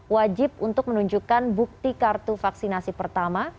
wajib untuk menunjukkan bukti kartu vaksinasi pertama